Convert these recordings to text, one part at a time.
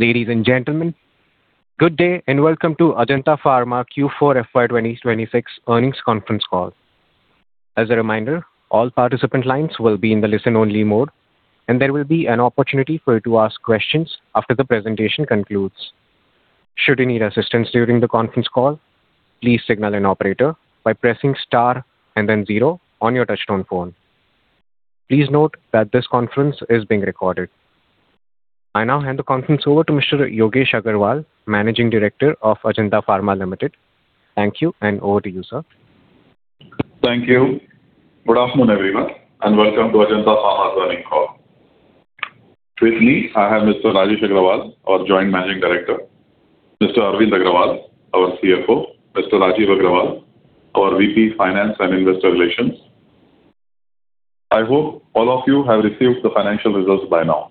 Ladies and gentlemen, good day, and welcome to Ajanta Pharma Q4 FY 2026 earnings conference call. As a reminder, all participant lines will be in the listen-only mode, and there will be an opportunity for you to ask questions after the presentation concludes. Should you need assistance during the conference call, please signal an operator by pressing star and then zero on your touchtone phone. Please note that this conference is being recorded. I now hand the conference over to Mr. Yogesh Agrawal, Managing Director of Ajanta Pharma Limited. Thank you, and over to you, sir. Thank you. Good afternoon, everyone, welcome to Ajanta Pharma earnings call. With me, I have Mr. Rajesh Agrawal, our Joint Managing Director; Mr. Arvind Agrawal, our CFO; Mr. Rajeev Agarwal, our VP Finance and Investor Relations. I hope all of you have received the financial results by now.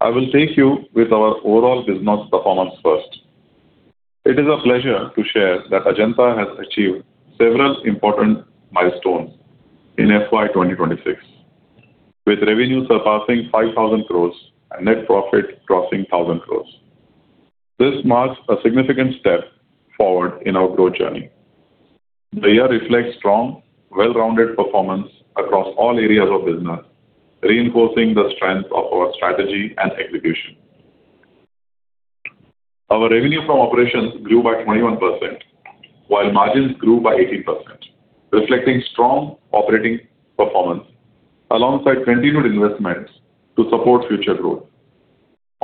I will take you with our overall business performance first. It is a pleasure to share that Ajanta has achieved several important milestones in FY 2026, with revenue surpassing 5,000 crores and net profit crossing 1,000 crores. This marks a significant step forward in our growth journey. The year reflects strong, well-rounded performance across all areas of business, reinforcing the strength of our strategy and execution. Our revenue from operations grew by 21% while margins grew by 18%, reflecting strong operating performance alongside continued investments to support future growth.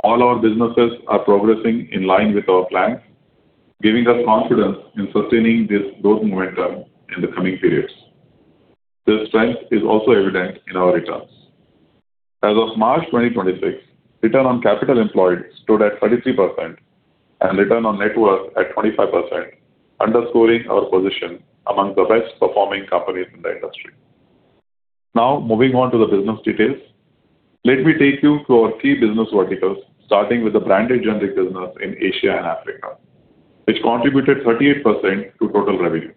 All our businesses are progressing in line with our plans, giving us confidence in sustaining this growth momentum in the coming periods. This strength is also evident in our returns. As of March 2026, return on capital employed stood at 33% and return on net worth at 25%, underscoring our position among the best-performing companies in the industry. Moving on to the business details. Let me take you through our key business verticals, starting with the Branded Generic business in Asia and Africa, which contributed 38% to total revenue.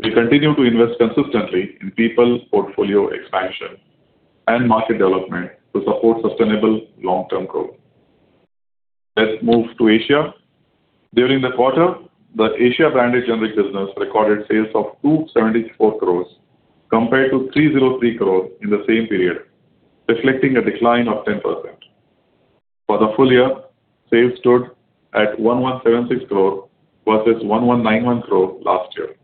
We continue to invest consistently in people, portfolio expansion, and market development to support sustainable long-term growth. Let's move to Asia. During the quarter, the Asia Branded Generic business recorded sales of 274 crores compared to 303 crores in the same period, reflecting a decline of 10%. For the full year, sales stood at 1,176 crore versus 1,191 crore last year,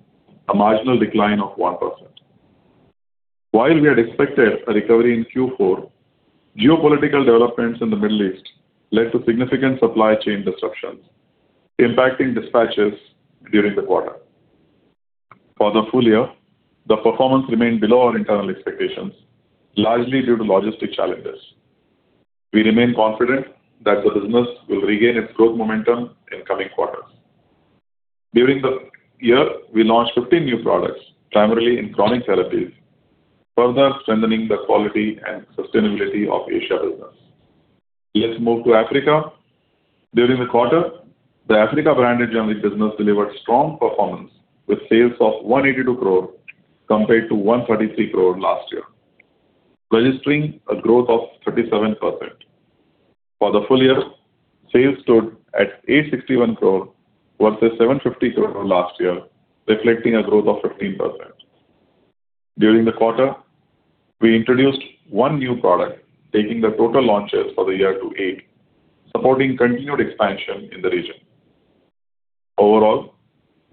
a marginal decline of 1%. While we had expected a recovery in Q4, geopolitical developments in the Middle East led to significant supply chain disruptions, impacting dispatches during the quarter. For the full year, the performance remained below our internal expectations, largely due to logistic challenges. We remain confident that the business will regain its growth momentum in coming quarters. During the year, we launched 15 new products, primarily in chronic therapies, further strengthening the quality and sustainability of Asia business. Let's move to Africa. During the quarter, the Africa Branded Generic business delivered strong performance with sales of 182 crore compared to 133 crore last year, registering a growth of 37%. For the full year, sales stood at 861 crore versus 750 crore last year, reflecting a growth of 15%. During the quarter, we introduced one new product, taking the total launches for the year to eight, supporting continued expansion in the region. Overall,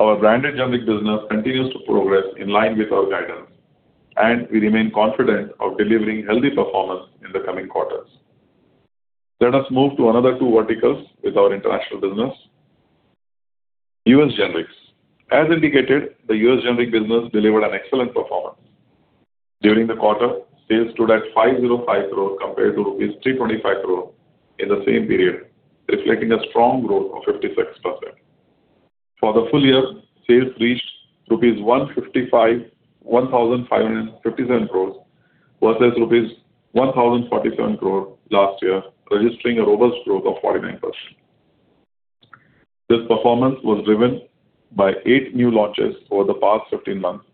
our Branded Generic business continues to progress in line with our guidance, and we remain confident of delivering healthy performance in the coming quarters. Let us move to another two verticals with our international business. U.S. Generics. As indicated, the U.S. Generic business delivered an excellent performance. During the quarter, sales stood at 505 crore compared to rupees 325 crore in the same period, reflecting a strong growth of 56%. For the full year, sales reached 1,557 crores versus rupees 1,047 crore last year, registering a robust growth of 49%. This performance was driven by eight new launches over the past 15 months,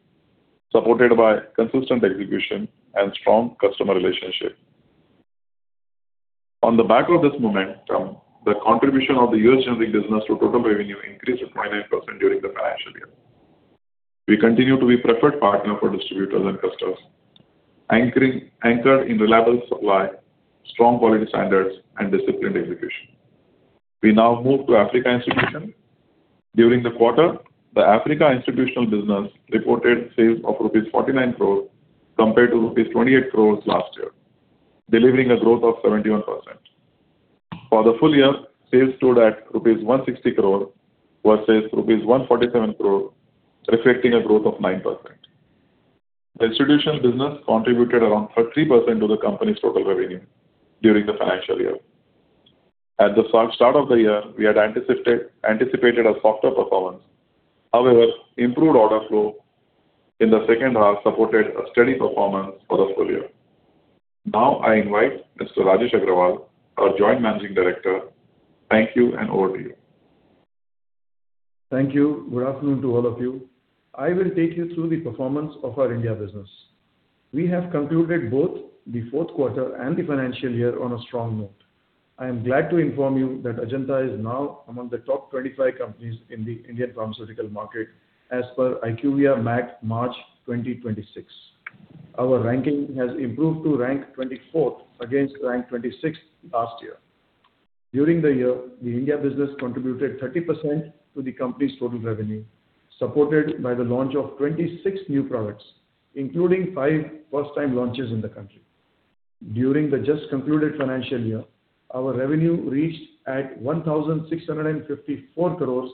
supported by consistent execution and strong customer relationship. On the back of this momentum, the contribution of the U.S. Generic business to total revenue increased to 29% during the financial year. We continue to be preferred partner for distributors and customers, anchored in reliable supply, strong quality standards, and disciplined execution. We now move to Africa Institutional. During the quarter, the Africa Institutional business reported sales of rupees 49 crore compared to rupees 28 crores last year, delivering a growth of 71%. For the full year, sales stood at rupees 160 crore versus rupees 147 crore, reflecting a growth of 9%. The Institutional business contributed around 30% to the company's total revenue during the financial year. At the start of the year, we had anticipated a softer performance. However, improved order flow in the second half supported a steady performance for the full year. Now I invite Mr. Rajesh Agrawal, our Joint Managing Director. Thank you, and over to you. Thank you. Good afternoon to all of you. I will take you through the performance of our India business. We have concluded both the fourth quarter and the financial year on a strong note. I am glad to inform you that Ajanta is now among the top 25 companies in the Indian pharmaceutical market as per IQVIA MAT March 2026. Our ranking has improved to rank 24th against rank 26th last year. During the year, the India business contributed 30% to the company's total revenue, supported by the launch of 26 new products, including 5 first-time launches in the country. During the just concluded financial year, our revenue reached at 1,654 crores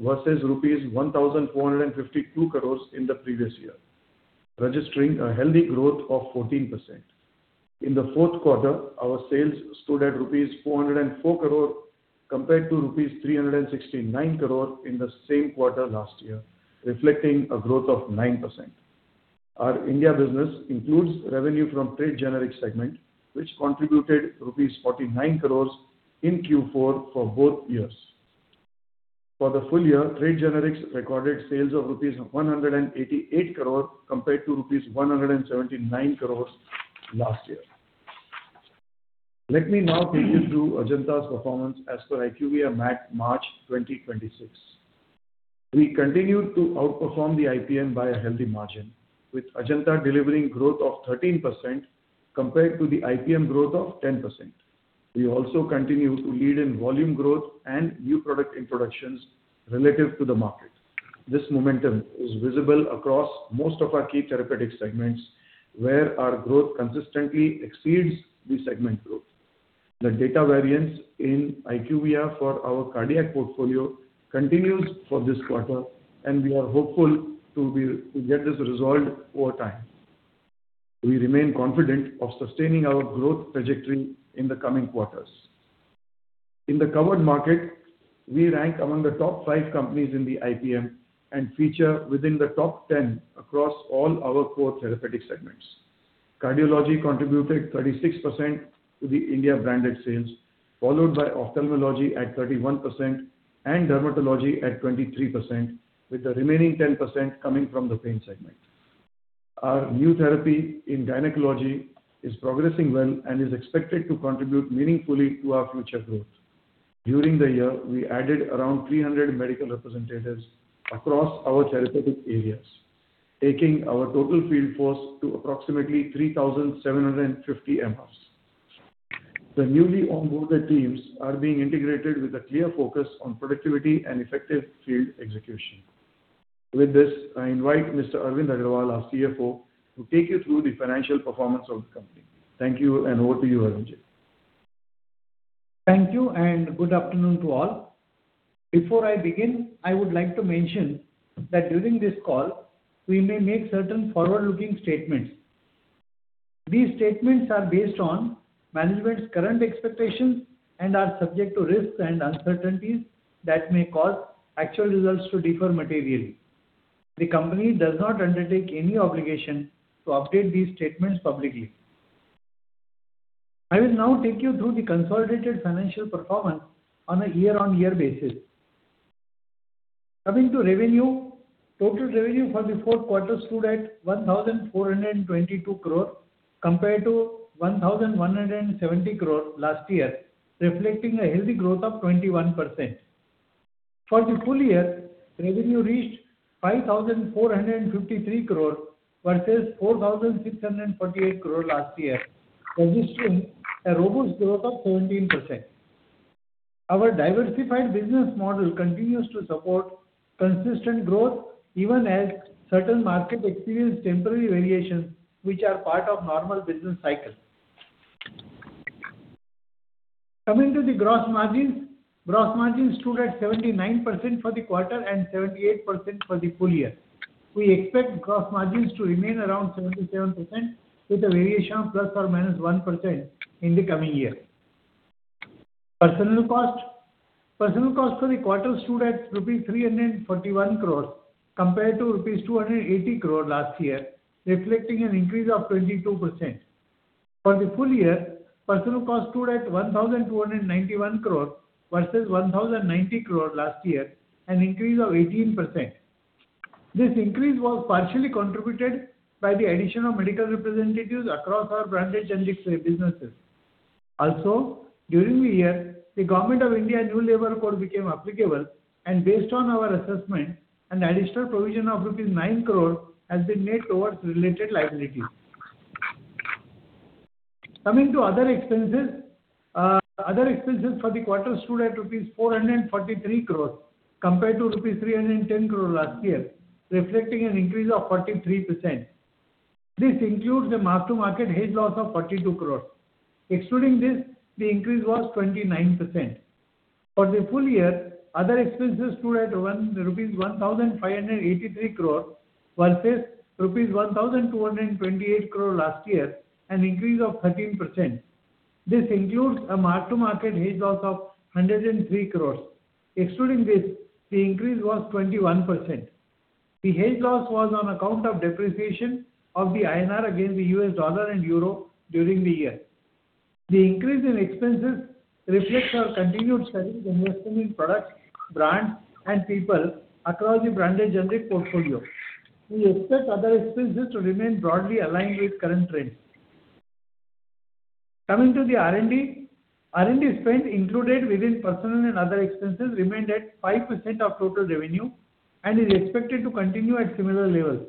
versus rupees 1,452 crores in the previous year, registering a healthy growth of 14%. In the fourth quarter, our sales stood at rupees 404 crore compared to rupees 369 crore in the same quarter last year, reflecting a growth of 9%. Our India business includes revenue from trade generic segment, which contributed rupees 49 crores in Q4 for both years. For the full year, trade generics recorded sales of rupees 188 crore compared to rupees 179 crores last year. Let me now take you through Ajanta's performance as per IQVIA MAT March 2026. We continued to outperform the IPM by a healthy margin, with Ajanta delivering growth of 13% compared to the IPM growth of 10%. We also continue to lead in volume growth and new product introductions relative to the market.` This momentum is visible across most of our key therapeutic segments, where our growth consistently exceeds the segment growth. The data variance in IQVIA for our cardiac portfolio continues for this quarter, and we are hopeful to get this resolved over time. We remain confident of sustaining our growth trajectory in the coming quarters. In the covered market, we rank among the top five companies in the IPM and feature within the top 10 across all our core therapeutic segments. cardiology contributed 36% to the India branded sales, followed by ophthalmology at 31% and dermatology at 23%, with the remaining 10% coming from the pain segment. Our new therapy in gynecology is progressing well and is expected to contribute meaningfully to our future growth. During the year, we added around 300 medical representatives across our therapeutic areas, taking our total field force to approximately 3,750 MRs. The newly onboarded teams are being integrated with a clear focus on productivity and effective field execution. With this, I invite Mr. Arvind Agrawal, our CFO, to take you through the financial performance of the company. Thank you, and over to you, Arvindji. Thank you, good afternoon to all. Before I begin, I would like to mention that during this call, we may make certain forward-looking statements. These statements are based on management's current expectations and are subject to risks and uncertainties that may cause actual results to differ materially. The company does not undertake any obligation to update these statements publicly. I will now take you through the consolidated financial performance on a year-on-year basis. Coming to revenue, total revenue for the fourth quarter stood at 1,422 crore compared to 1,170 crore last year, reflecting a healthy growth of 21%. For the full year, revenue reached 5,453 crore versus 4,648 crore last year, registering a robust growth of 14%. Our diversified business model continues to support consistent growth even as certain market experience temporary variations which are part of normal business cycle. Coming to the gross margins, gross margins stood at 79% for the quarter and 78% for the full year. We expect gross margins to remain around 77% with a variation of ±1% in the coming year. Personnel cost. Personnel cost for the quarter stood at rupees 341 crore compared to rupees 280 crore last year, reflecting an increase of 22%. For the full year, personnel cost stood at 1,291 crore versus 1,090 crore last year, an increase of 18%. This increase was partially contributed by the addition of medical representatives across our branded generic businesses. Also, during the year, the Government of India new labour codes became applicable, and based on our assessment, an additional provision of rupees 9 crore has been made towards related liabilities. Coming to other expenses. Other expenses for the quarter stood at rupees 443 crore compared to rupees 310 crore last year, reflecting an increase of 43%. This includes a mark-to-market hedge loss of 42 crore. Excluding this, the increase was 29%. For the full year, other expenses stood at 1,583 crore versus rupees 1,228 crore last year, an increase of 13%. This includes a mark-to-market hedge loss of 103 crore. Excluding this, the increase was 21%. The hedge loss was on account of depreciation of the INR against the US dollar and euro during the year. The increase in expenses reflects our continued strategy of investing in product, brand, and people across the branded generic portfolio. We expect other expenses to remain broadly aligned with current trends. Coming to the R&D. R&D spend included within personal and other expenses remained at 5% of total revenue and is expected to continue at similar levels.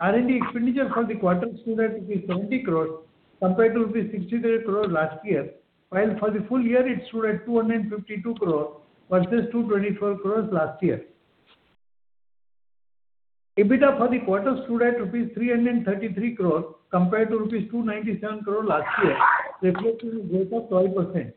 R&D expenditure for the quarter stood at 70 crores compared to rupees 63 crores last year, while for the full year it stood at 252 crores versus 224 crores last year. EBITDA for the quarter stood at rupees 333 crores compared to rupees 297 crores last year, reflecting a growth of 12%.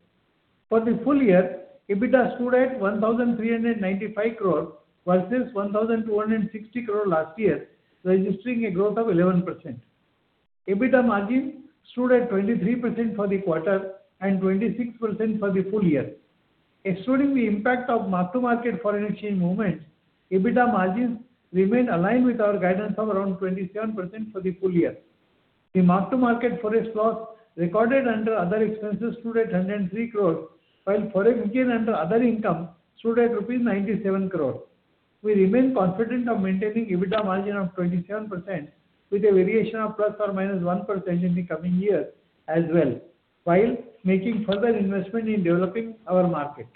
For the full year, EBITDA stood at 1,395 crore versus 1,260 crore last year, registering a growth of 11%. EBITDA margin stood at 23% for the quarter and 26% for the full year. Excluding the impact of mark-to-market foreign exchange movements, EBITDA margins remain aligned with our guidance of around 27% for the full year. The mark-to-market forex loss recorded under other expenses stood at 103 crore, while foreign gain under other income stood at rupees 97 crore. We remain confident of maintaining EBITDA margin of 27% with a variation of ±1% in the coming year as well, while making further investment in developing our market.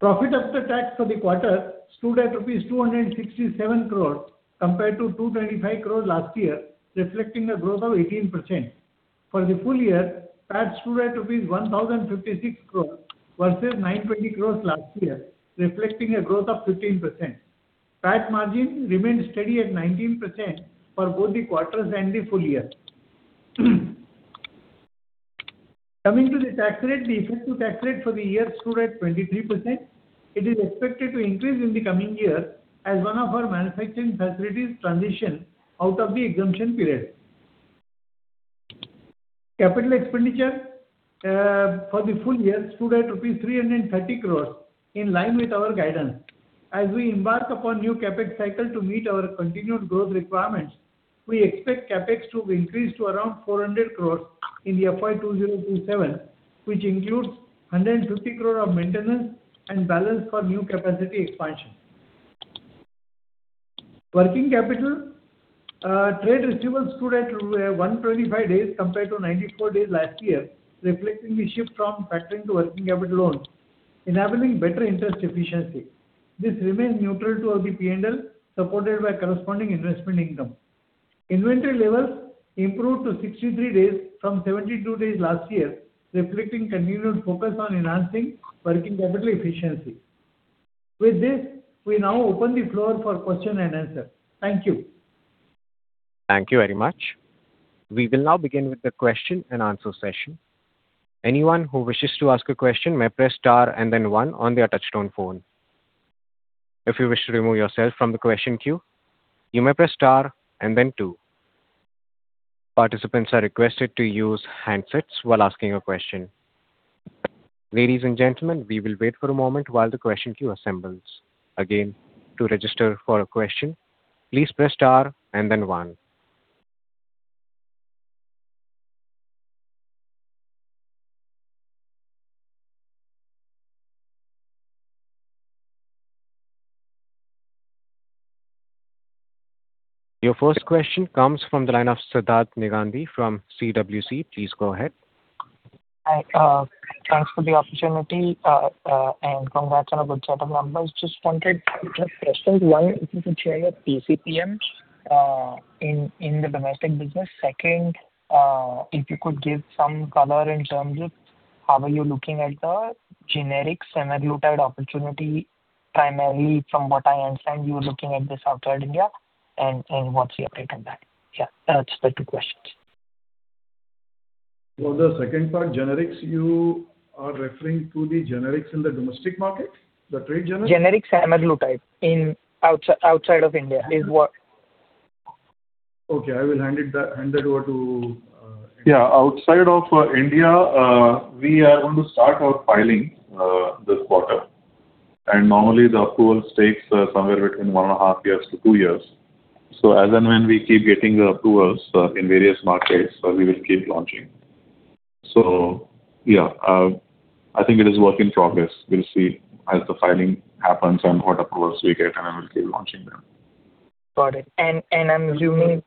Profit after tax for the quarter stood at rupees 267 crore compared to 225 crore last year, reflecting a growth of 18%. For the full year, PAT stood at rupees 1,056 crore versus 920 crore last year, reflecting a growth of 15%. PAT margin remained steady at 19% for both the quarters and the full year. Coming to the tax rate, the effective tax rate for the year stood at 23%. It is expected to increase in the coming year as one of our manufacturing facilities transition out of the exemption period. Capital expenditure for the full year stood at rupees 330 crore, in line with our guidance. As we embark upon new CapEx cycle to meet our continued growth requirements, we expect CapEx to increase to around 400 crores in the FY 2027, which includes 150 crore of maintenance and balance for new capacity expansion. Working capital, trade receivables stood at 125 days compared to 94 days last year, reflecting the shift from factoring to working capital loans, enabling better interest efficiency. This remains neutral to our P&L, supported by corresponding investment income. Inventory levels improved to 63 days from 72 days last year, reflecting continued focus on enhancing working capital efficiency. With this, we now open the floor for question and answer. Thank you. Thank you very much. We will now begin with the question and answer session. Anyone who wishes to ask a question may press star and then one on their touchtone phone. If you wish to remove yourself from the question queue, you may press star and then two. Participants are requested to use handsets while asking a question. Ladies and gentlemen, we will wait for a moment while the question queue assembles. Again, to register for a question, please press star and then one. Your first question comes from the line of Siddharth Meghani from CWC. Please go ahead. Hi. Thanks for the opportunity. Congrats on a good set of numbers. Just wanted to ask questions. One, if you could share your PCPM in the domestic business. Second, if you could give some color in terms of how are you looking at the generic semaglutide opportunity, primarily from what I understand you're looking at this outside India and what's the update on that? Yeah, that's the two questions. For the second part, generics, you are referring to the generics in the domestic market, the trade generics? Generic semaglutide in outside of India is. Okay. I will hand that over to. Yeah. Outside of India, we are going to start our filing this quarter. Normally the approvals takes somewhere between 1.5 years to 2 years. As and when we keep getting approvals in various markets, we will keep launching. Yeah, I think it is work in progress. We'll see as the filing happens and what approvals we get, and then we'll keep launching them. Got it. I'm assuming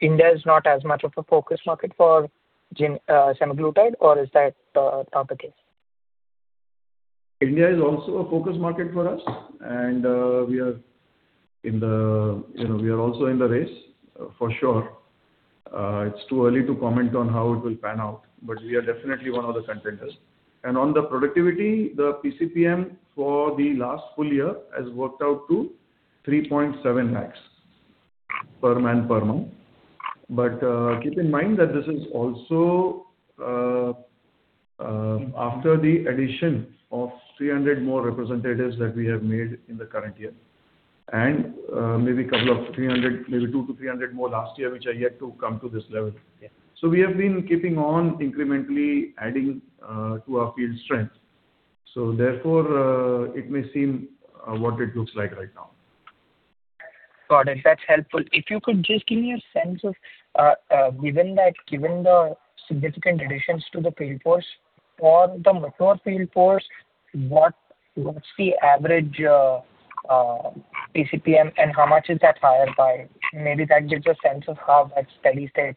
India is not as much of a focus market for semaglutide or is that topic? India is also a focus market for us. You know, we are also in the race for sure. It's too early to comment on how it will pan out, but we are definitely one of the contenders. On the productivity, the PCPM for the last full year has worked out to 3.7 lakhs per man per month. Keep in mind that this is also after the addition of 300 more representatives that we have made in the current year and maybe couple of 300, maybe 200-300 more last year, which are yet to come to this level. Yeah. We have been keeping on incrementally adding to our field strength. Therefore, it may seem, what it looks like right now. Got it. That's helpful. If you could just give me a sense of, given that, given the significant additions to the field force or the mature field force, what's the average PCPM and how much is that higher by? Maybe that gives a sense of how that steady-state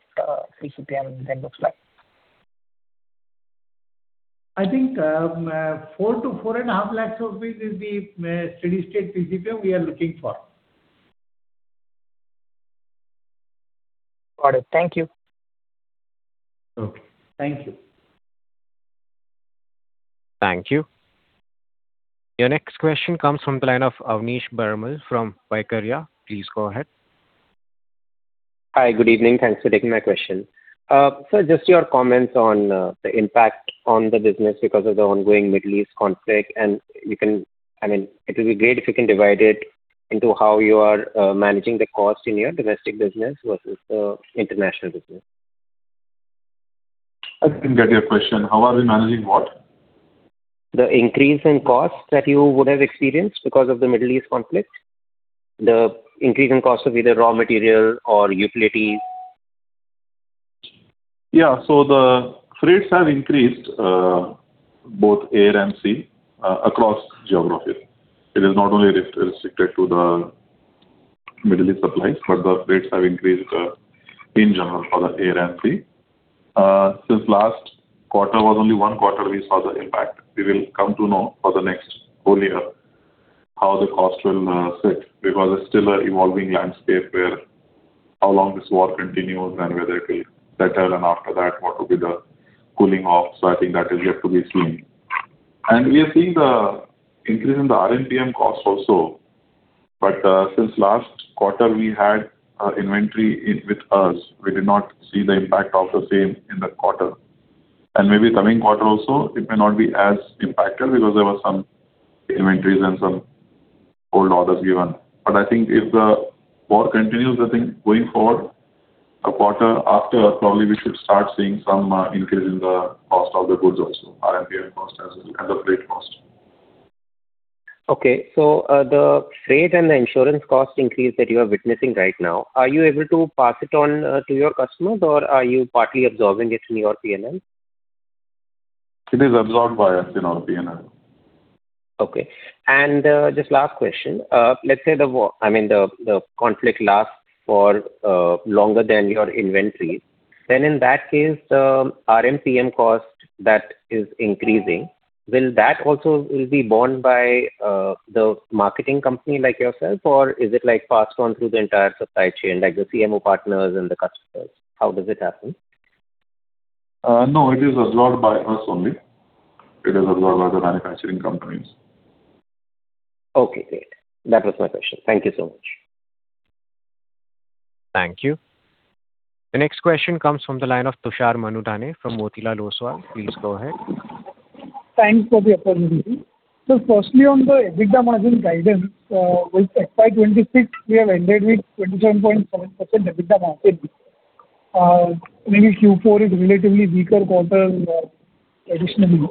PCPM then looks like. I think, 4 lakhs-4.5 lakhs rupees roughly is the steady-state PCPM we are looking for. Got it. Thank you. Okay. Thank you. Thank you. Your next question comes from the line of Avnish Baramal from Waikeria. Please go ahead. Hi. Good evening. Thanks for taking my question. Sir, just your comments on the impact on the business because of the ongoing Middle East conflict. You can I mean, it will be great if you can divide it into how you are managing the cost in your domestic business versus the international business. I didn't get your question. How are we managing what? The increase in costs that you would have experienced because of the Middle East conflict, the increase in cost of either raw material or utilities. Yeah. The freights have increased, both air and sea across geographies. It is not only restricted to the Middle East supplies, but the freights have increased in general for the air and sea. Since last quarter was only 1 quarter we saw the impact. We will come to know for the next full year how the cost will sit because it's still an evolving landscape where how long this war continues and whether it will better and after that what will be the cooling off. I think that is yet to be seen. We are seeing the increase in the RMPM cost also. Since last quarter we had inventory in with us, we did not see the impact of the same in that quarter. Maybe the coming quarter also it may not be as impacted because there were some inventories and some old orders given. I think if the war continues, I think going forward, a quarter after probably we should start seeing some increase in the cost of the goods also, RMPM cost as well and the freight cost. The freight and the insurance cost increase that you are witnessing right now, are you able to pass it on to your customers or are you partly absorbing it in your P&L? It is absorbed by us in our P&L. Okay. Just last question. Let's say the conflict lasts for longer than your inventory. In that case, the RMPM cost that is increasing, will that also be borne by the marketing company like yourself or is it like passed on through the entire supply chain, like the CMO partners and the customers? How does it happen? No, it is absorbed by us only. It is absorbed by the manufacturing companies. Okay, great. That was my question. Thank you so much. Thank you. The next question comes from the line of Tushar Manudhane from Motilal Oswal. Please go ahead. Thanks for the opportunity. Firstly, on the EBITDA margin guidance, with FY 2026 we have ended with 27.7% EBITDA margin. Maybe Q4 is relatively weaker quarter traditionally.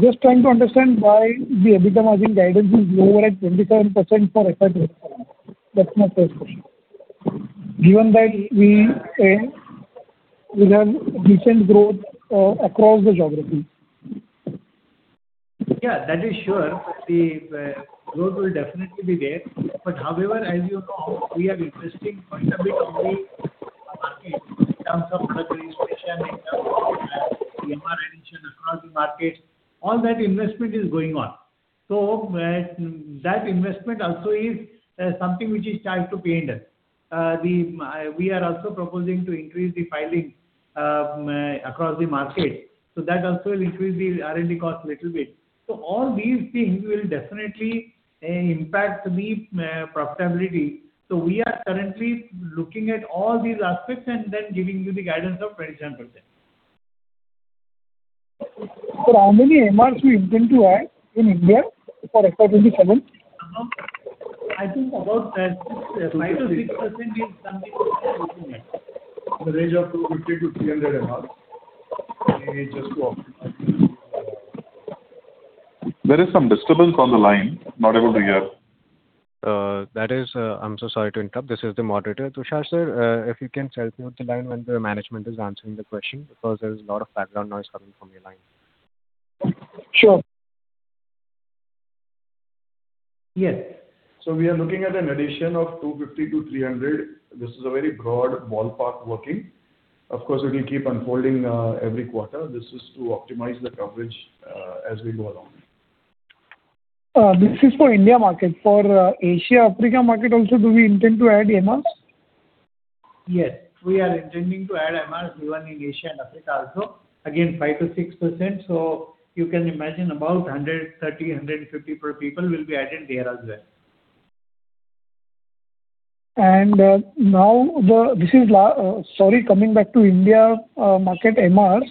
Just trying to understand why the EBITDA margin guidance is lower at 27% for FY 2027. That's my first question. Given that we have decent growth across the geographies. Yeah, that is sure. The growth will definitely be there. However, as you know, we are investing quite a bit on the market in terms of drug registration, in terms of MR addition across the markets. All that investment is going on. That investment also is something which is tied to P&L. The we are also proposing to increase the filing across the markets, so that also will increase the R&D cost little bit. All these things will definitely impact the profitability. We are currently looking at all these aspects and then giving you the guidance of 27%. Sir, how many MRs we intend to add in India for FY 2027? About, I think about 5%-6% is something which we are looking at. In the range of 250-300 MRs. We just- There is some disturbance on the line. Not able to hear. That is, I'm so sorry to interrupt. This is the moderator. Tushar, sir, if you can mute the line when the management is answering the question because there is a lot of background noise coming from your line. Sure. Yes. We are looking at an addition of 250 to 300. This is a very broad ballpark working. Of course, it will keep unfolding every quarter. This is to optimize the coverage as we go along. This is for India market. For Asia, Africa market also, do we intend to add MRs? Yes. We are intending to add MRs even in Asia and Africa also. 5%-6%. You can imagine about 130-150 people will be added there as well. Sorry, coming back to India, market MRs.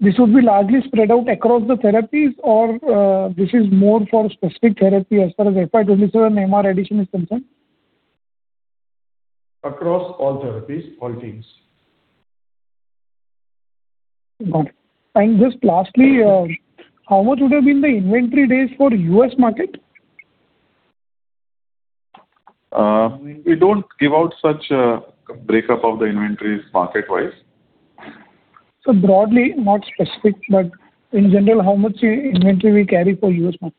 This would be largely spread out across the therapies or, this is more for specific therapy as far as FY 2027 MR addition is concerned? Across all therapies, all teams. Got it. Just lastly, how much would have been the inventory days for U.S. market? We don't give out such a breakup of the inventories market-wise. Broadly, not specific, but in general, how much inventory we carry for U.S. market?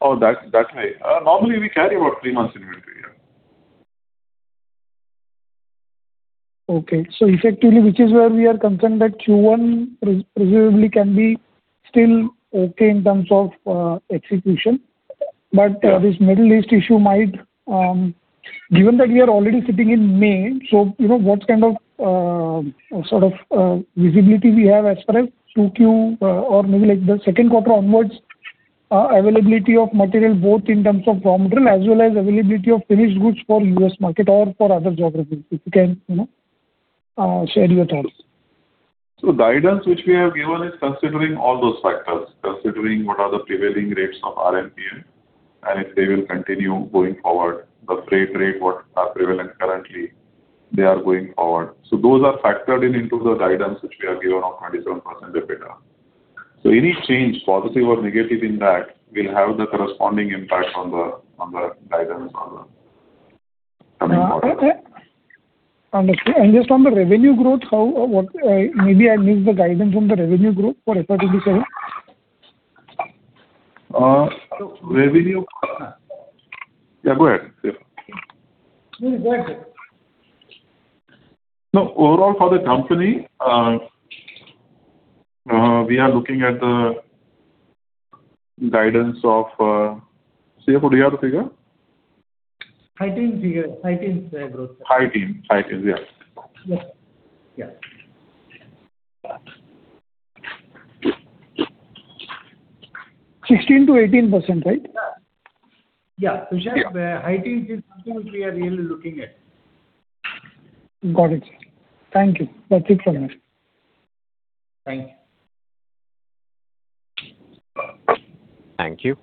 Oh, that's right. Normally we carry about 3 months inventory. Yeah. Okay. effectively, which is where we are concerned that Q1 presumably can be still okay in terms of execution. Yeah. this Middle East issue might Given that we are already sitting in May, so, you know, what kind of sort of visibility we have as per as two Q or maybe like the second quarter onwards, availability of material both in terms of raw material as well as availability of finished goods for U.S. market or for other geographies, if you can, you know, share your thoughts? The guidance which we have given is considering all those factors. Considering what are the prevailing rates of RMPM, and if they will continue going forward, the freight rate, what are prevalent currently, they are going forward. Those are factored in into the guidance which we have given of 27% EBITDA. Any change, positive or negative in that, will have the corresponding impact on the guidance. Understood. Just on the revenue growth, how, what, maybe I missed the guidance on the revenue growth for FY 2027? Revenue. Yeah, go ahead. No, go ahead, sir. No, overall for the company, we are looking at the guidance of, Sia, could you have the figure? High teens figure. High teens growth. High teens. High teens. Yeah. Yeah. 16%-18%, right? Yeah. Yeah. Tushar, high teens is something which we are really looking at. Got it. Thank you. That is it from me. Thank you. Thank you.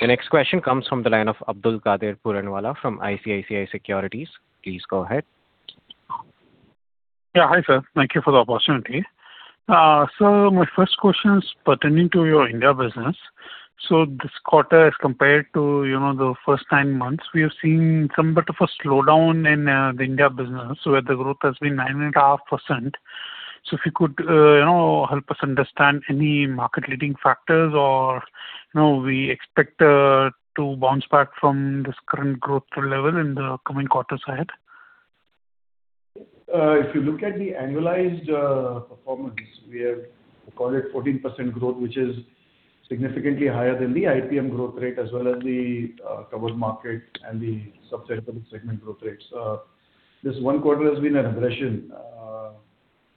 The next question comes from the line of Abdulkader Puranwala from ICICI Securities. Please go ahead. Yeah. Hi, sir. Thank you for the opportunity. My first question is pertaining to your India business. This quarter as compared to, you know, the first nine months, we have seen some bit of a slowdown in the India business, where the growth has been 9.5%. If you could, you know, help us understand any market leading factors or, you know, we expect to bounce back from this current growth level in the coming quarters ahead. If you look at the annualized performance, we have recorded 14% growth, which is significantly higher than the IPM growth rate, as well as the covered market and the subsegment growth rates. This one quarter has been an aberration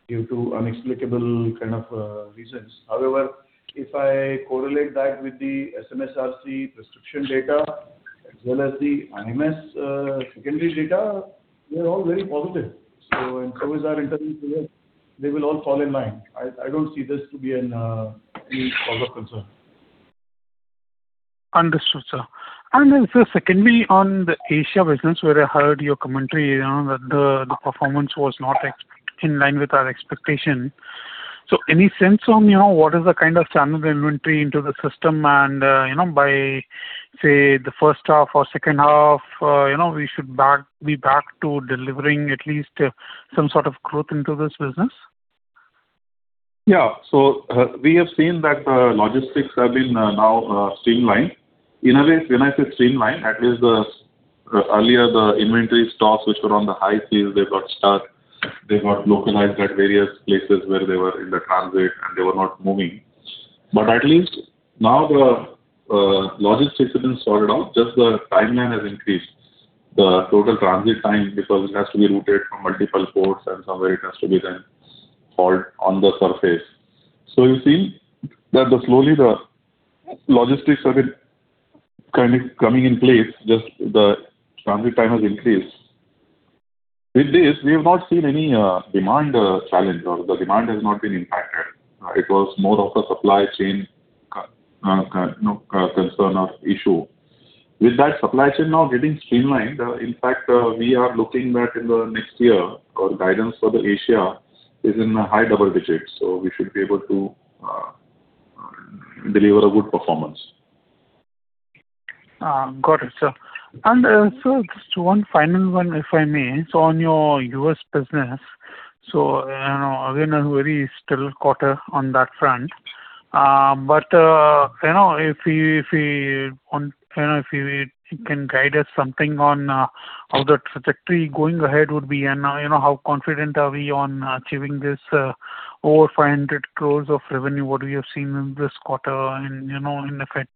due to inexplicable kind of reasons. However, if I correlate that with the SMSRC prescription data as well as the IMS secondary data, they are all very positive. So is our internal data. They will all fall in line. I don't see this to be any cause of concern. Understood, sir. Sir, secondly, on the Asia business, where I heard your commentary, you know, that the performance was not in line with our expectation. Any sense on, you know, what is the kind of standard inventory into the system and, you know, by, say, the first half or second half, you know, we should be back to delivering at least some sort of growth into this business? We have seen that the logistics have been now streamlined. In a way, when I say streamlined, at least earlier, the inventory stocks which were on the high seas, they got stuck. They got localized at various places where they were in the transit and they were not moving. At least now the logistics have been sorted out, just the timeline has increased. The total transit time, because it has to be routed from multiple ports and somewhere it has to be then halt on the surface. You see that the slowly the logistics have been coming in place, just the transit time has increased. With this, we have not seen any demand challenge or the demand has not been impacted. It was more of a supply chain you know, concern or issue. With that supply chain now getting streamlined, in fact, we are looking that in the next year our guidance for the Asia is in the high double digits. We should be able to deliver a good performance. Got it, sir. Sir, just one final one, if I may. On your U.S. business, you know, again, a very stellar quarter on that front. But, you know, if you can guide us something on how that trajectory going ahead would be and how confident are we on achieving this over 500 crores of revenue, what we have seen in this quarter and going into effect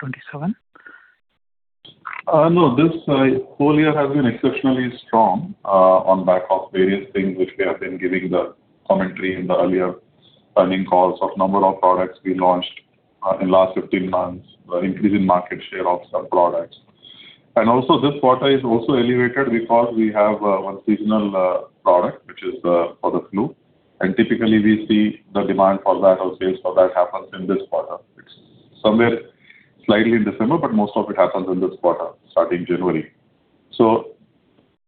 2027. No, this whole year has been exceptionally strong, on back of various things which we have been giving the commentary in the earlier earning calls of number of products we launched, in last 15 months, increase in market share of some products. Also this quarter is also elevated because we have one seasonal product, which is for the flu. Typically we see the demand for that or sales for that happens in this quarter, somewhere slightly in December, but most of it happens in this quarter starting January.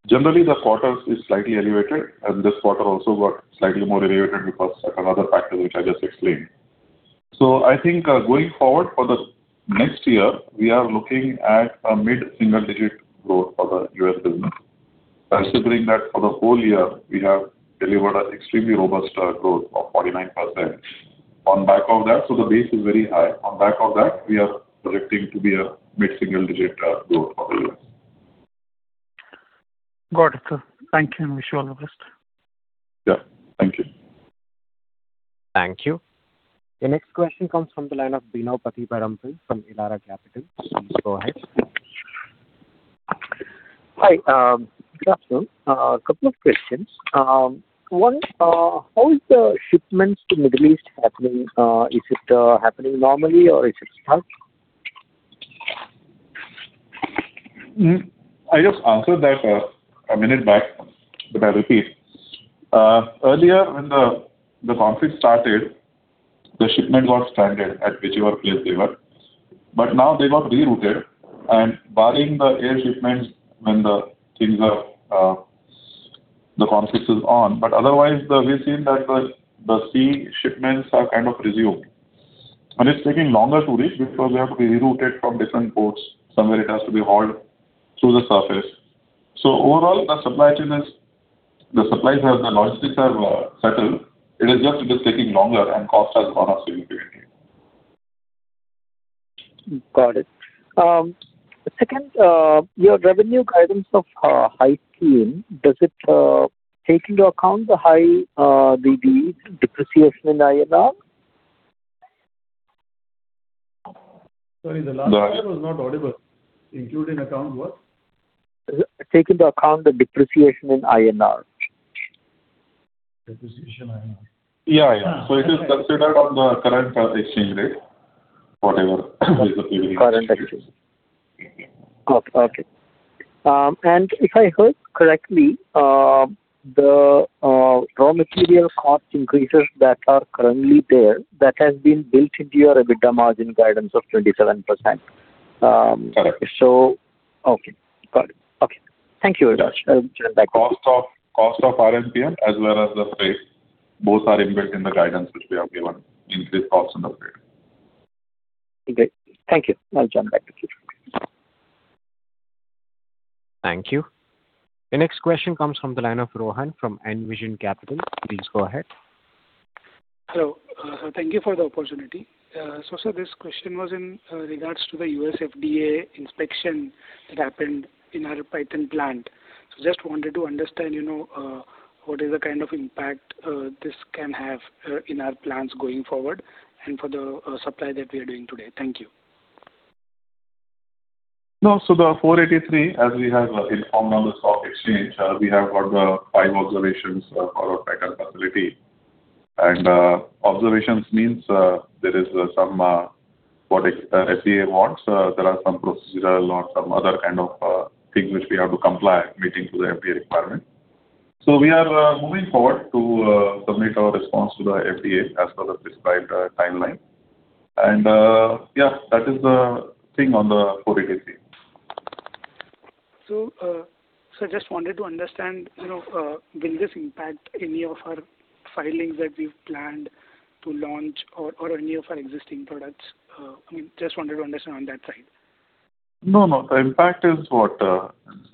Generally, the quarters is slightly elevated, and this quarter also got slightly more elevated because of another factor which I just explained. I think, going forward for the next year, we are looking at a mid-single-digit growth for the U.S. business, considering that for the whole year we have delivered an extremely robust growth of 49%. On back of that, the base is very high. On back of that, we are projecting to be a mid-single-digit growth for the U.S. Got it, sir. Thank you, and wish you all the best. Yeah. Thank you. Thank you. The next question comes from the line of Bino Pathiparampil from Elara Capital. Please go ahead. Hi. Good afternoon. A couple of questions. One, how is the shipments to Middle East happening? Is it happening normally or is it stuck? I just answered that a minute back, but I repeat. Earlier when the conflict started, the shipment got stranded at whichever place they were. Now they got rerouted and barring the air shipments when the things are, the conflict is on. Otherwise, we've seen that the sea shipments are kind of resumed. It's taking longer to reach because they have to be rerouted from different ports. Somewhere it has to be hauled through the surface. Overall, the supplies have, the logistics have settled. It is just, it is taking longer and cost has gone up significantly. Got it. Second, your revenue guidance of high teen, does it take into account the depreciation in INR? Sorry, the last line was not audible. Include in account what? Take into account the depreciation in INR. Depreciation INR. Yeah, yeah. It is considered on the current exchange rate. Current exchange rate. Okay. If I heard correctly, the raw material cost increases that are currently there, that has been built into your EBITDA margin guidance of 27%. Correct. Okay. Got it. Okay. Thank you very much. I'll jump back. Cost of RMPM as well as the price, both are embedded in the guidance which we have given, increased costs and the price. Great. Thank you. I'll jump back to you. Thank you. The next question comes from the line of Rohan from Envision Capital. Please go ahead. Hello. Thank you for the opportunity. Sir, this question was in regards to the U.S. FDA inspection that happened in our Paithan plant. Just wanted to understand, you know, what is the kind of impact this can have in our plants going forward and for the supply that we are doing today. Thank you. No. The Form 483, as we have informed on the stock exchange, we have got the 5 observations for our Paithan facility. Observations means there is some what FDA wants. There are some procedural or some other kind of things which we have to comply meeting to the FDA requirement. We are moving forward to submit our response to the FDA as per the prescribed timeline. Yeah, that is the thing on the Form 483. Just wanted to understand, you know, will this impact any of our filings that we've planned to launch or any of our existing products? I mean, just wanted to understand on that side. No, no. The impact is what.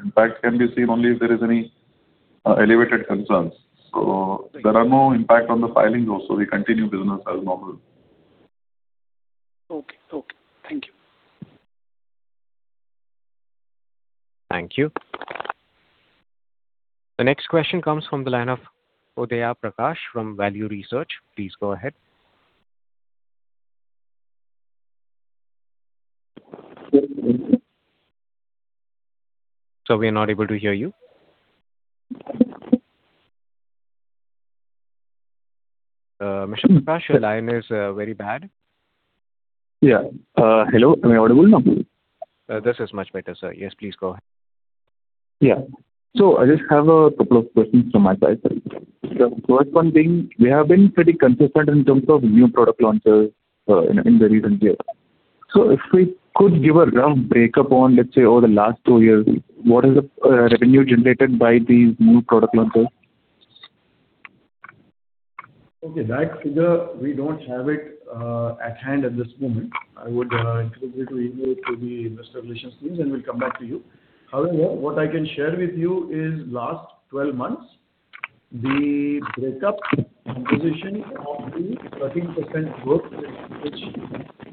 Impact can be seen only if there is any elevated concerns. Thank you. There are no impact on the filings also. We continue business as normal. Okay. Okay. Thank you. Thank you. The next question comes from the line of Udhayaprakash from Value Research. Please go ahead. Sir, we are not able to hear you. Mr. Prakash, your line is very bad. Yeah. Hello. Am I audible now? This is much better, sir. Yes, please go ahead. Yeah. I just have a couple of questions from my side, sir. The first one being, we have been pretty consistent in terms of new product launches in the recent years. If we could give a rough breakup on, let's say, over the last two years, what is the revenue generated by these new product launches? Okay. That figure, we don't have it at hand at this moment. I would encourage you to email it to the investor relations team, and we'll come back to you. However, what I can share with you is last 12 months, the breakup composition of the 13% growth which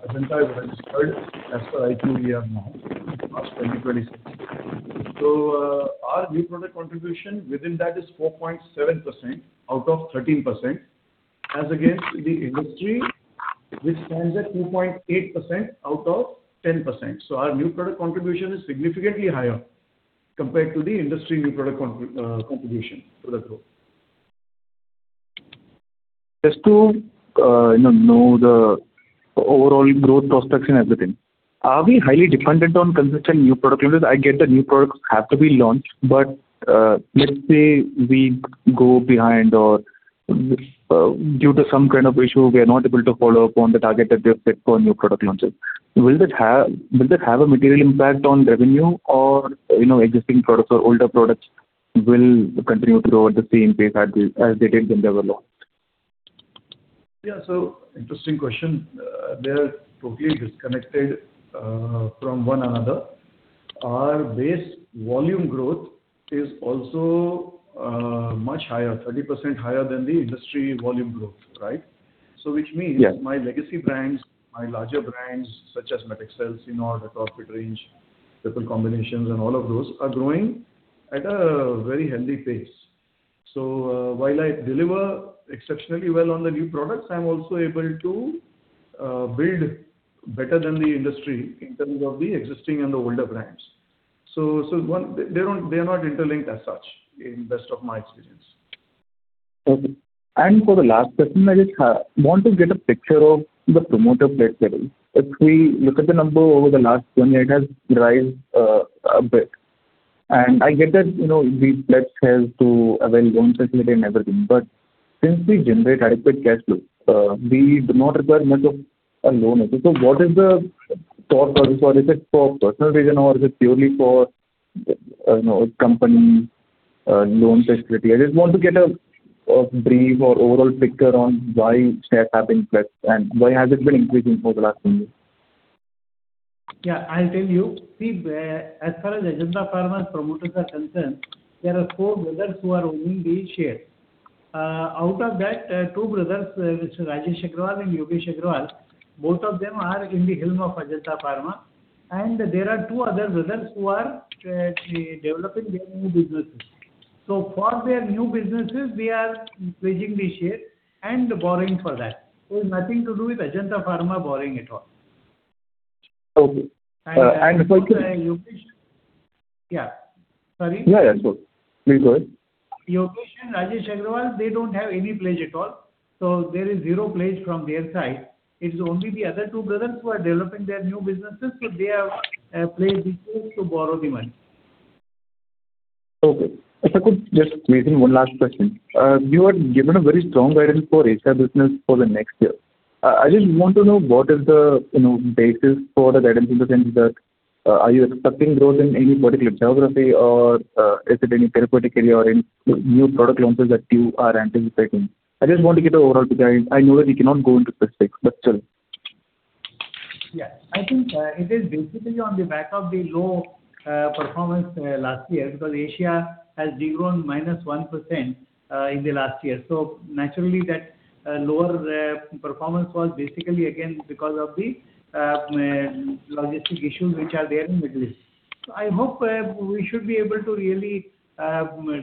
Ajanta has registered as per IQVIA now, as per 2026. Our new product contribution within that is 4.7% out of 13%, as against the industry which stands at 2.8% out of 10%. Our new product contribution is significantly higher compared to the industry new product contribution to the growth. Just to, you know the overall growth prospects in everything. Are we highly dependent on consistent new product launches? I get the new products have to be launched, but, let's say we go behind or, due to some kind of issue, we are not able to follow up on the target that we have set for new product launches. Will that have a material impact on revenue or, you know, existing products or older products will continue to grow at the same pace as they, as they did when they were launched? Yeah. Interesting question. They are totally disconnected from one another. Our base volume growth is also much higher, 30% higher than the industry volume growth, right? Yes. My legacy brands, my larger brands such as Met XL, Cinod, the Atorfit range, triple combinations, and all of those are growing at a very healthy pace. While I deliver exceptionally well on the new products, I'm also able to build better than the industry in terms of the existing and the older brands. One. They don't, they are not interlinked as such, in best of my experience. Okay. For the last question, I just want to get a picture of the promoter pledge level. If we look at the number over the last 1 year, it has rise a bit. I get that, you know, the pledge has to avail loan facility and everything, but since we generate adequate cash flow, we do not require much of a loan. What is the thought for this one? Is it for personal reason or is it purely for, you know, company loan facility? I just want to get a brief or overall picture on why shares have been pledged and why has it been increasing over the last few years. I'll tell you. As far as Ajanta Pharma's promoters are concerned, there are four brothers who are owning the share. Out of that, two brothers, Mr. Rajesh Agrawal and Yogesh Agrawal, both of them are in the helm of Ajanta Pharma. There are two other brothers who are developing their new businesses. For their new businesses, they are pledging the share and borrowing for that. Nothing to do with Ajanta Pharma borrowing at all. Okay. Yogesh. Yeah. Sorry. Yeah, yeah. It's cool. Please go ahead. Yogesh and Rajesh Agrawal, they don't have any pledge at all. There is zero pledge from their side. It's only the other two brothers who are developing their new businesses, so they have pledged the shares to borrow the money. Okay. If I could just maybe one last question. You had given a very strong guidance for Asia business for the next year. I just want to know what is the, you know, basis for the guidance in the sense that, are you expecting growth in any particular geography or, is it any therapeutic area or in new product launches that you are anticipating? I just want to get an overall guidance. I know that you cannot go into specifics, but still. Yeah. I think it is basically on the back of the low performance last year because Asia has de-grown minus 1% in the last year. Naturally that lower performance was basically again because of the logistic issues which are there in Middle East. I hope we should be able to really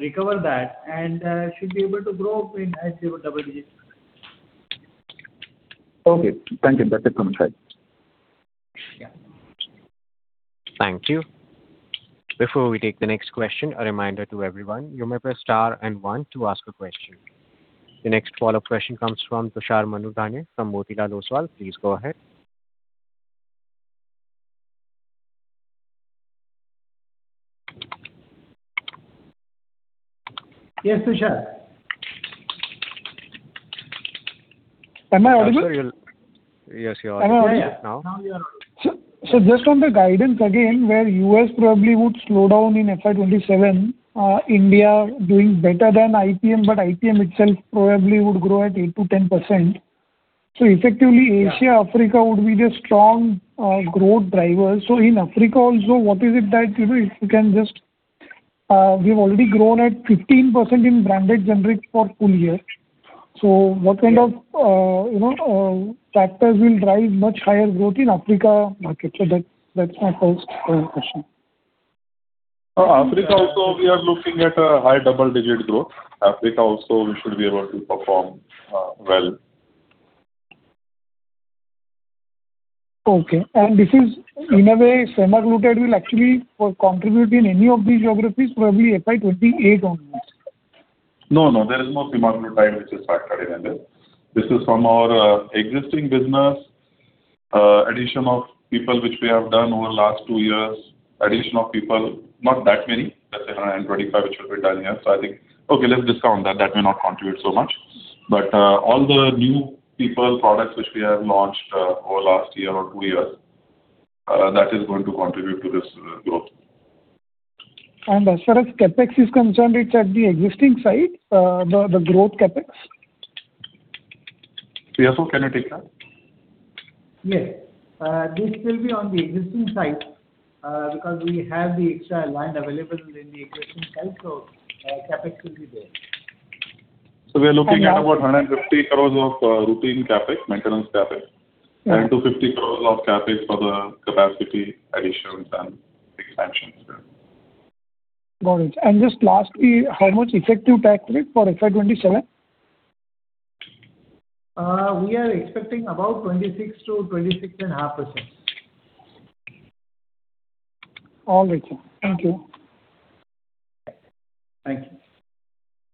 recover that and should be able to grow in, at double digits. Okay. Thank you. That's it from my side. Yeah. Thank you. Before we take the next question, a reminder to everyone, you may press star and one to ask a question. The next follow-up question comes from Tushar Manudhane from Motilal Oswal. Please go ahead. Yes, Tushar. Am I audible? Yes, you are. Yeah. Now you are audible. Just on the guidance again, where U.S. probably would slow down in FY 2027, India doing better than IPM, but IPM itself probably would grow at 8%-10%. Yeah. Asia, Africa would be the strong growth driver. In Africa also, we've already grown at 15% in branded generics for full year. Yeah. You know, factors will drive much higher growth in Africa market? That's my first question. Africa also we are looking at a high double-digit growth. Africa also we should be able to perform well. Okay. This is in a way semaglutide will actually contribute in any of these geographies probably FY 2028 onwards. No, no. There is no semaglutide which is factory rendered. This is from our existing business, addition of people which we have done over the last two years. Addition of people, not that many, that's 125 which will be done here. I think Okay, let's discount that. That may not contribute so much. All the new people, products which we have launched over last year or two years, that is going to contribute to this growth. As far as CapEx is concerned, it's at the existing site, the growth CapEx? Piyush, can I take that? Yes. This will be on the existing site, because we have the extra land available within the existing site, so, CapEx will be there. We are looking at about 150 crores of routine CapEx, maintenance CapEx. Yeah. 250 crores of CapEx for the capacity additions and expansions there. Got it. Just lastly, how much effective tax rate for FY 2027? We are expecting about 26%-26.5%. All right. Thank you. Thank you.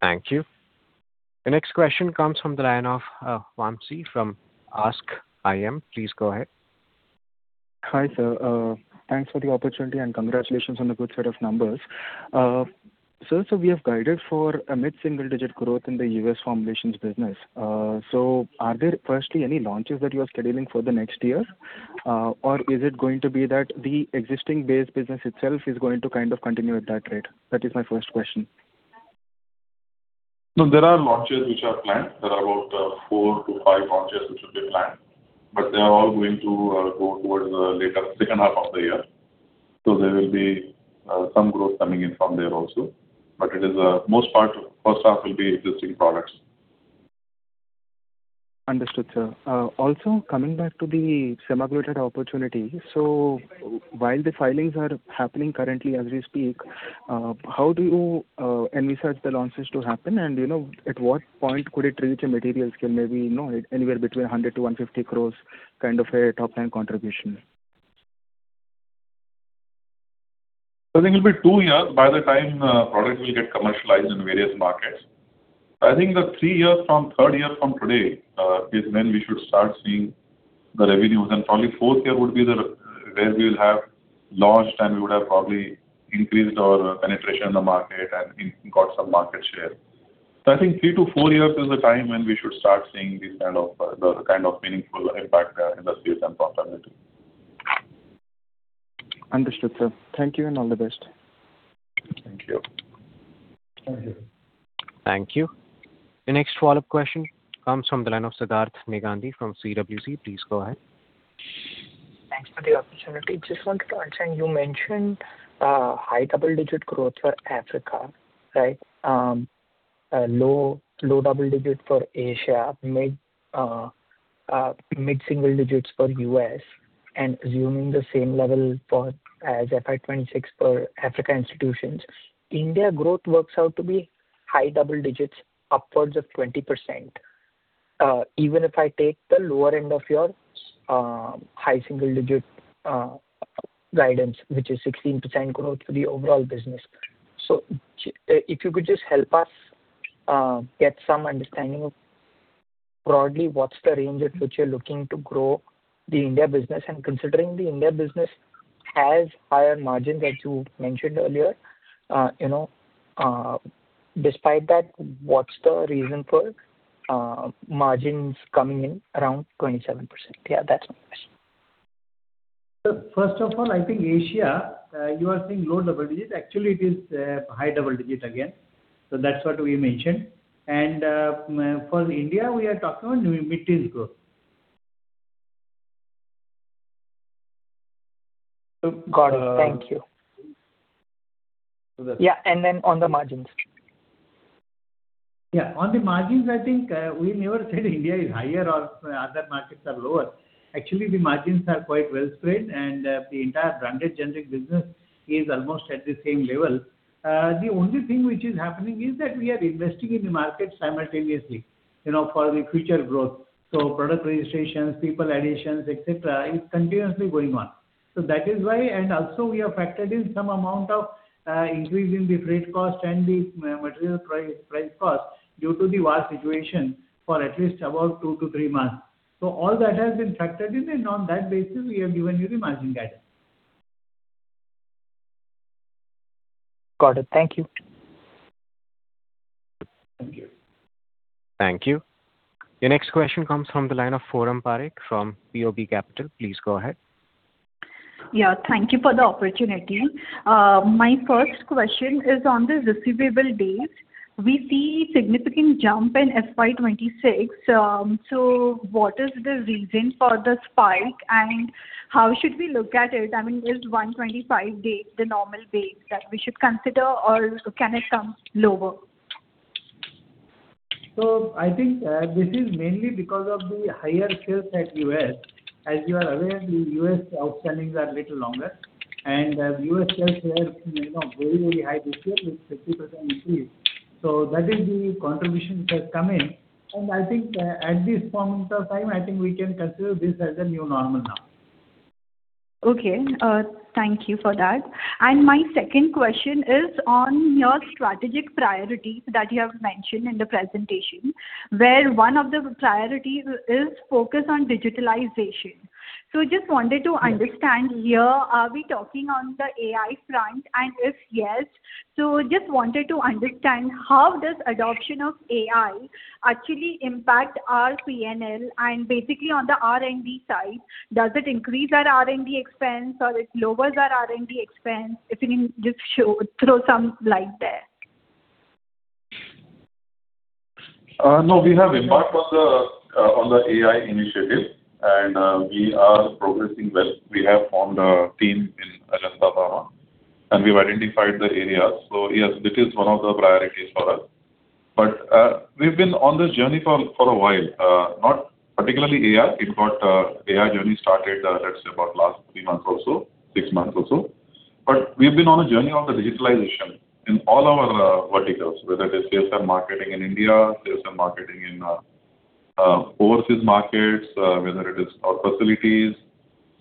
Thank you. The next question comes from the line of, Vamsi from AskIM. Please go ahead. Hi, sir. Thanks for the opportunity, and congratulations on the good set of numbers. So we have guided for a mid-single digit growth in the U.S. formulations business. Are there firstly any launches that you are scheduling for the next year? Is it going to be that the existing base business itself is going to kind of continue at that rate? That is my first question. No, there are launches which are planned. There are about 4 to 5 launches which will be planned, they are all going to go towards the later second half of the year. There will be some growth coming in from there also. It is most part, first half will be existing products. Understood, sir. also coming back to the semaglutide opportunity. While the filings are happening currently as we speak, how do you envisage the launches to happen? You know, at what point could it reach a material scale, maybe, you know, anywhere between 100 crores-150 crores kind of a top-line contribution? I think it'll be 2 years by the time product will get commercialized in various markets. I think the 3 years from, 3rd year from today, is when we should start seeing the revenues. Probably 4th year would be where we'll have launched, and we would have probably increased our penetration in the market and got some market share. I think 3 to 4 years is the time when we should start seeing this kind of, the kind of meaningful impact, in the space and profitability. Understood, sir. Thank you and all the best. Thank you. Thank you. Thank you. The next follow-up question comes from the line of Siddharth Meghani from CWC. Please go ahead. Thanks for the opportunity. Just wanted to understand, you mentioned high double-digit growth for Africa, right? Low double digit for Asia, mid-single digits for U.S. Assuming the same level for as FY 2026 for Africa institutions, India growth works out to be high double digits upwards of 20%. Even if I take the lower end of your high single digit guidance, which is 16% growth for the overall business. If you could just help us get some understanding of broadly what's the range at which you're looking to grow the India business. Considering the India business has higher margin that you mentioned earlier, you know, despite that, what's the reason for margins coming in around 27%? Yeah, that's my question. First of all, I think Asia, you are seeing low double digits. Actually, it is high double digit again. That's what we mentioned. For India, we are talking of mid-single growth. Got it. Thank you. So, uh. Yeah. On the margins. Yeah. On the margins, I think, we never said India is higher or other markets are lower. Actually, the margins are quite well spread, and the entire branded generics business is almost at the same level. The only thing which is happening is that we are investing in the market simultaneously, you know, for the future growth. Product registrations, people additions, et cetera, is continuously going on. That is why And also we have factored in some amount of increase in the freight cost and the material price cost due to the war situation for at least about 2 to 3 months. All that has been factored in, and on that basis, we have given you the margin guidance. Got it. Thank you. Thank you. Thank you. The next question comes from the line of Forum Parekh from PoB Capital. Please go ahead. Yeah. Thank you for the opportunity. My first question is on the receivable days. We see significant jump in FY 2026. What is the reason for the spike, and how should we look at it? I mean, is 125 days the normal days that we should consider, or can it come lower? I think, this is mainly because of the higher sales at U.S. As you are aware, the U.S. outstandings are little longer, and U.S. sales we have seen, you know, very, very high this year with 50% increase. That is the contribution which has come in. I think, at this point of time, I think we can consider this as a new normal now. Okay. Thank you for that. My second question is on your strategic priorities that you have mentioned in the presentation, where one of the priorities is focus on digitalization. Just wanted to understand here, are we talking on the AI front? If yes, just wanted to understand how does adoption of AI actually impact our PNL. Basically on the R&D side, does it increase our R&D expense or it lowers our R&D expense? If you can just throw some light there. No, we have embarked on the AI initiative, we are progressing well. We have formed a team in Ajanta Pharma, we've identified the areas. Yes, it is one of the priorities for us. We've been on this journey for a while. Not particularly AI. In fact, AI journey started, let's say about last three months or so, six months or so. We've been on a journey of the digitalization in all our verticals, whether it is sales and marketing in India, sales and marketing in overseas markets, whether it is our facilities.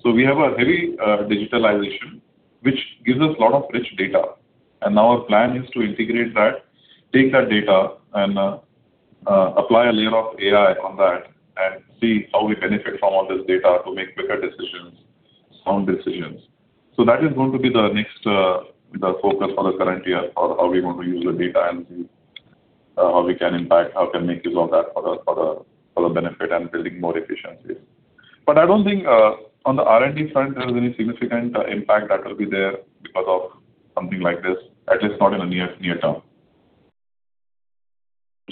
We have a heavy digitalization, which gives us a lot of rich data. Our plan is to integrate that, take that data and apply a layer of AI on that and see how we benefit from all this data to make better decisions, sound decisions. That is going to be the next focus for the current year for how we're going to use the data and see how we can impact, how can make use of that for the benefit and building more efficiencies. I don't think on the R&D front there is any significant impact that will be there because of something like this, at least not in the near term.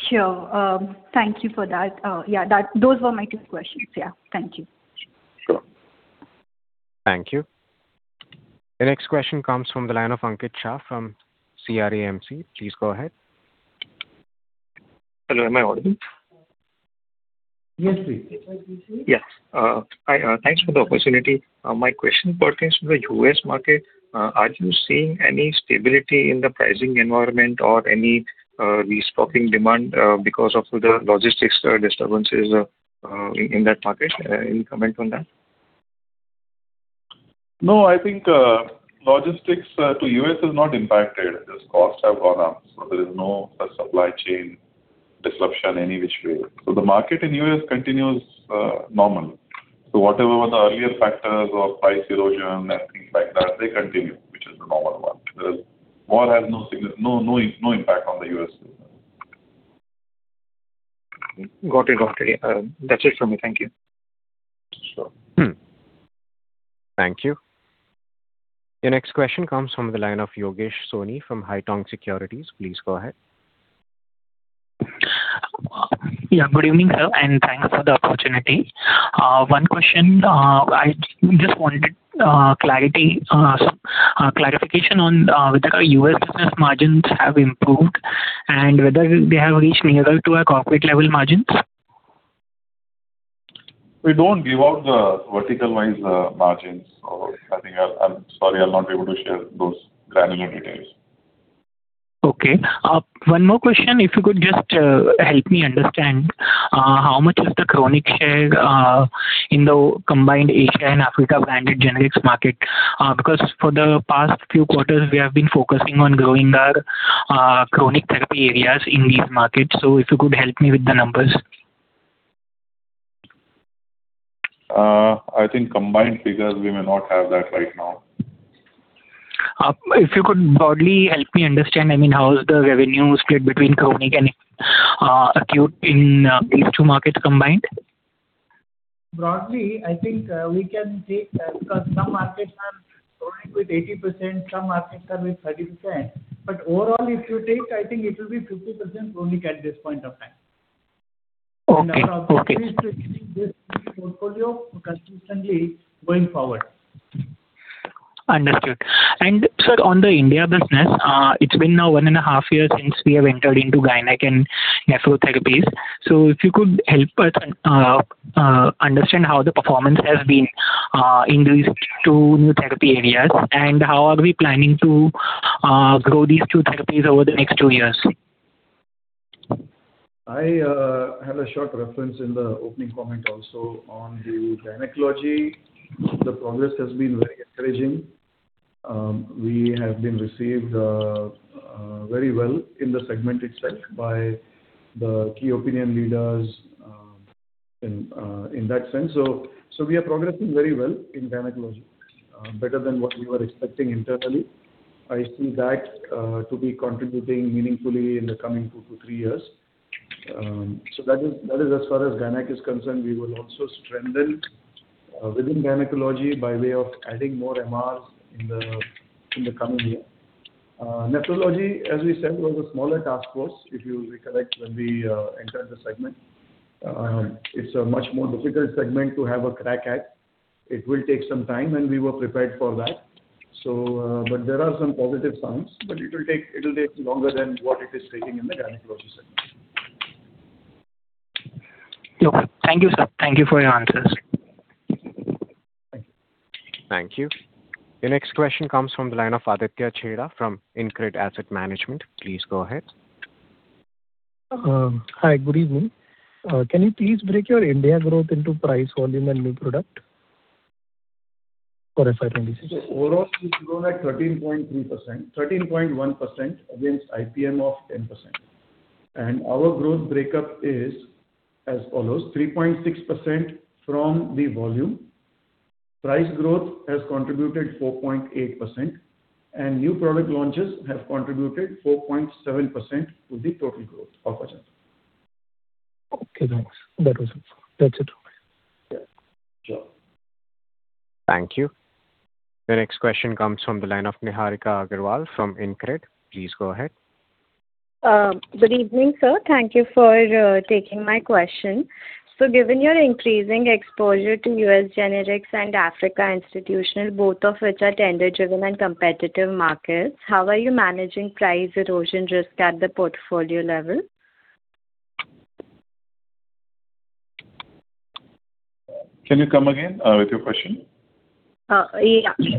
Sure. Thank you for that. Yeah, those were my 2 questions. Yeah. Thank you. Sure. Thank you. The next question comes from the line of Ankit Shah from CRAMC. Please go ahead. Hello, am I audible? Yes, please. Yes. Hi, thanks for the opportunity. My question pertains to the U.S. market. Are you seeing any stability in the pricing environment or any restocking demand because of the logistics disturbances in that market? Any comment on that? No, I think logistics to U.S. is not impacted. Just costs have gone up, there is no supply chain disruption any which way. The market in U.S. continues normal. Whatever were the earlier factors of price erosion and things like that, they continue, which is the normal one. War has no impact on the U.S. Got it. Got it. That's it from me. Thank you. Sure. Thank you. The next question comes from the line of Yogesh Soni from Haitong Securities. Please go ahead. Yeah, good evening, sir, and thanks for the opportunity. One question. I just wanted clarity, so clarification on whether our U.S. business margins have improved and whether they have reached nearer to our corporate-level margins? We don't give out the vertical-wise margins. I think I'm sorry, I'll not be able to share those granular details. One more question, if you could just help me understand how much is the chronic share in the combined Asia and Africa branded generics market? Because for the past few quarters we have been focusing on growing our chronic therapy areas in these markets. If you could help me with the numbers. I think combined figures, we may not have that right now. If you could broadly help me understand, I mean, how is the revenue split between chronic and acute in these two markets combined? Broadly, I think, we can take, because some markets are chronic with 80%, some markets are with 30%. Overall, if you take, I think it will be 50% chronic at this point of time. Okay. Okay. Our strategy is to increase this chronic portfolio consistently going forward. Understood. Sir, on the India business, it's been now 1 and a half years since we have entered into gynec and nephro therapies. If you could help us understand how the performance has been in these 2 new therapy areas, and how are we planning to grow these 2 therapies over the next 2 years? I had a short reference in the opening comment also on the gynecology. The progress has been very encouraging. We have been received very well in the segment itself by the key opinion leaders in that sense. We are progressing very well in gynecology, better than what we were expecting internally. I see that to be contributing meaningfully in the coming 2 to 3 years. That is as far as gynec is concerned. We will also strengthen within gynecology by way of adding more MRs in the coming year. Nephrology, as we said, was a smaller task force, if you recollect when we entered the segment. It's a much more difficult segment to have a crack at. It will take some time, we were prepared for that. But there are some positive signs, but it will take longer than what it is taking in the gynecology segment. Okay. Thank you, sir. Thank you for your answers. Thank you. Thank you. The next question comes from the line of Aditya Chheda from InCred Asset Management. Please go ahead. Hi, good evening. Can you please break your India growth into price, volume and new product for FY 2022? Overall, we've grown at 13.3%, 13.1% against IPM of 10%. Our growth breakup is as follows: 3.6% from the volume. Price growth has contributed 4.8%, and new product launches have contributed 4.7% to the total growth of Ajanta. Okay, thanks. That was it. That's it. Okay. Sure. Thank you. The next question comes from the line of Niharika Agarwal from InCred Capital. Please go ahead. Good evening, sir. Thank you for taking my question. Given your increasing exposure to U.S. generics and Africa institutional, both of which are tender-driven and competitive markets, how are you managing price erosion risk at the portfolio level? Can you come again, with your question? Yeah.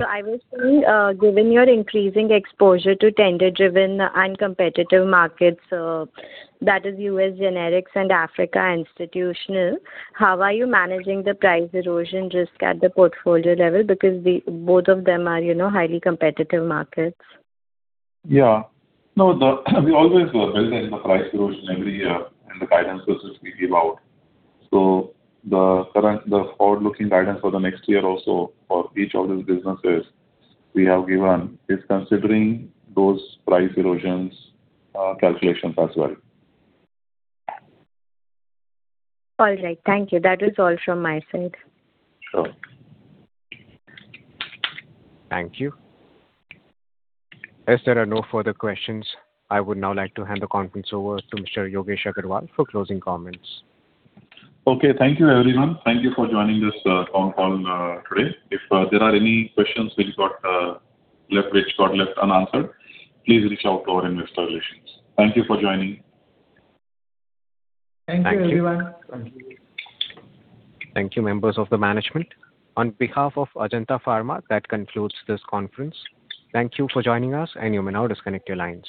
I was saying, given your increasing exposure to tender-driven and competitive markets, that is U.S. generics and Africa institutional, how are you managing the price erosion risk at the portfolio level? Both of them are, you know, highly competitive markets. Yeah. No, we always build in the price erosion every year in the guidance which we give out. The current, forward-looking guidance for the next year also for each of these businesses we have given is considering those price erosions, calculations as well. All right. Thank you. That is all from my side. Sure. Thank you. As there are no further questions, I would now like to hand the conference over to Mr. Yogesh Agrawal for closing comments. Okay. Thank you, everyone. Thank you for joining this phone call today. If there are any questions which got left unanswered, please reach out to our investor relations. Thank you for joining. Thank you. Thank you, everyone. Thank you, members of the management. On behalf of Ajanta Pharma, that concludes this conference. Thank you for joining us, and you may now disconnect your lines.